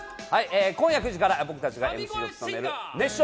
今夜９時から僕たちがＭＣを務める『熱唱！